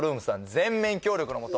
全面協力のもと